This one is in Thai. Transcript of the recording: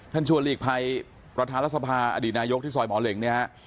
ชวนหลีกภัยประธานรัฐสภาอดีตนายกที่ซอยหมอเหล็งเนี่ยฮะ